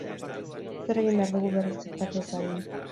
Zer egin behar dugu berriz gertatu ez dadin.